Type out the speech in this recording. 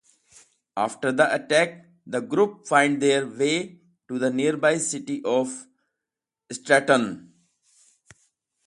After the attack, the group find their way to the nearby city of Stratton.